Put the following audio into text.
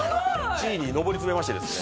地位に上り詰めましてですね